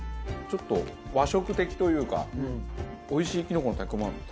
ちょっと和食的というかおいしいきのこの炊き込みご飯食べてる感じ。